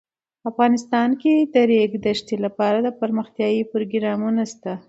افغانستان کې د د ریګ دښتې لپاره دپرمختیا پروګرامونه شته.